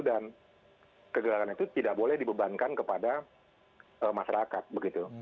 dan kegagalan itu tidak boleh dibebankan kepada masyarakat